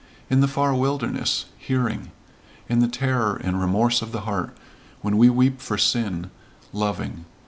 In the far wilderness hearing. In the terror and remorse of the heart when we weep for sin loving.